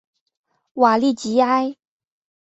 瓦利吉埃。